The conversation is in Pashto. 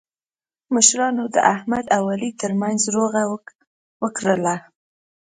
مشرانو د احمد او علي ترمنځ روغه وکړله.